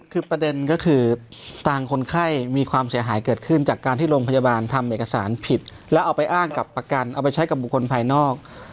คือประเด็นก็คือต่างคนไข้มีความเสียหายเกิดขึ้นจากการที่โรงพยาบาลทำเอกสารผิดแล้วเอาไปอ้างกับประกันเอาไปใช้กับบุคคลภายนอก